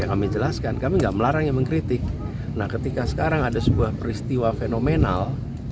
yang kami jelaskan kami enggak melarang yang mengkritik nah ketika sekarang ada sebuah peristiwa fenomenal